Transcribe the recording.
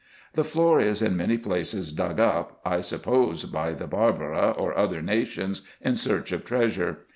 The floor is in many places dug up, I suppose by the Barabra or other nations, in search of treasure.